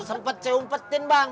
sempet ceumpetin bang